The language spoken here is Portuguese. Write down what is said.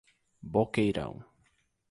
Boqueirão